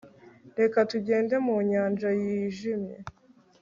Reka tugende mu nyanja yijimye